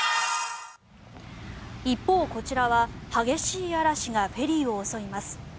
一方、こちらは激しい嵐がフェリーを襲います。